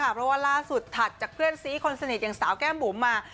ผัดจากเพื่อนสีคนสนิทอย่างสาวแก้มบุ๋มมา